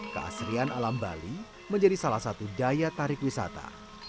keasrian alam bali menjadi salah satu daya tarik wisata